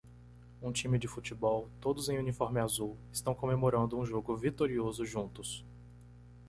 Um time de futebol? todos em uniforme azul? estão comemorando um jogo vitorioso juntos.